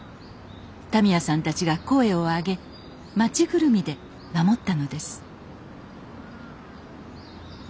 田宮さんたちが声を上げ町ぐるみで守ったのです